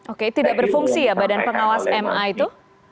oke tidak berfungsi ya badan pengawas ma itu